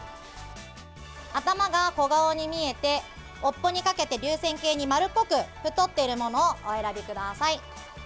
頭が小顔に見えて尾っぽにかけて流線型に丸っぽく太っているものをお選びください。